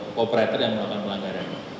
operator yang melakukan pelanggaran